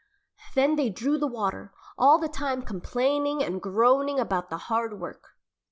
Then they drew the water, all the time complaining and groaning about the hard work.